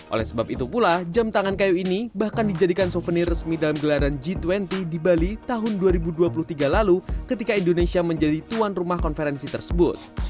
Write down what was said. oleh sebab itu pula jam tangan kayu ini bahkan dijadikan souvenir resmi dalam gelaran g dua puluh di bali tahun dua ribu dua puluh tiga lalu ketika indonesia menjadi tuan rumah konferensi tersebut